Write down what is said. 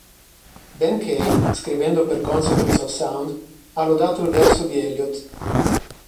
Ben Kaye, scrivendo per "Consequence of Sound", ha lodato il verso di Elliott.